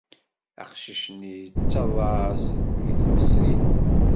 Aqcic-nni yettaḍḍas deg tmesrit.